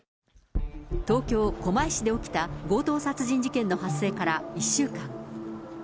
東京・狛江市で起きた強盗殺人事件の発生から１週間。